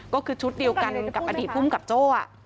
ก็คือชุดเดียวกันกับอดีตภูมิกับโจ้